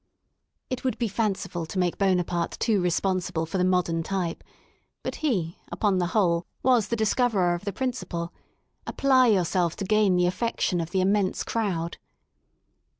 It would be fanciful to make Buonaparte too respons ible for the Modern Type ; but he, upon the whole, was the discoverer of the principle: apply yourself to gain the affection of the immense crowd.